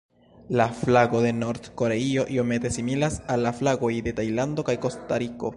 La flago de Nord-Koreio iomete similas al la flagoj de Tajlando kaj Kostariko.